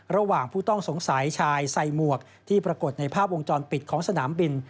ระหว่างผู้ต้องสงสัยชายใส่หมวกที่ปรากฏในภาพวงจรปิดของสนามบิน